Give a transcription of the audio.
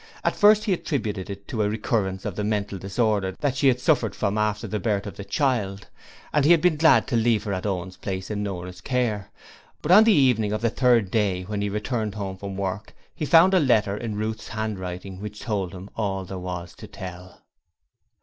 At first he attributed it to a recurrence of the mental disorder that she had suffered from after the birth of the child, and he had been glad to leave her at Owen's place in Nora's care, but on the evening of the third day when he returned home from work, he found a letter in Ruth's handwriting which told him all there was to tell.